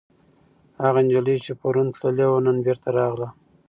هغه نجلۍ چې پرون تللې وه، نن بېرته راغله.